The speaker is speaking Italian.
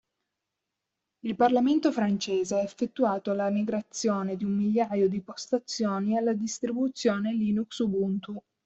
Il Parlamento francese ha effettuato la migrazione di un migliaio di postazioni alla distribuzione Linux Ubuntu.